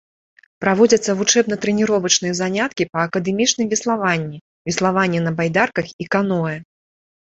Праводзяцца вучэбна-трэніровачныя заняткі па акадэмічным веславанні, веславанні на байдарках і каноэ.